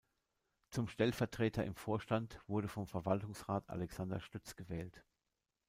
Zum Stellvertreter im Vorstand wurde vom Verwaltungsrat Alexander Stütz gewählt.